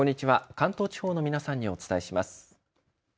関東地方の皆さんにお伝えします。